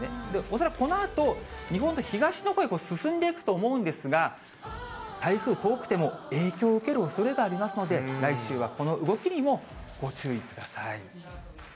恐らく、このあと日本の東のほうへ進んでいくと思うんですが、台風遠くても影響を受けるおそれがありますので、来週はこの動きにもご注意ください。